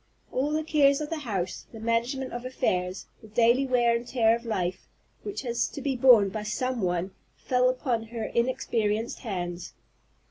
All the cares of the house, the management of affairs, the daily wear and tear of life, which has to be borne by some one, fell upon her inexperienced hands.